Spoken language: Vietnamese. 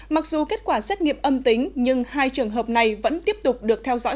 mặc dù kết quả xét nghiệm âm tính nhưng hai trường hợp này vẫn tiếp tục được theo dõi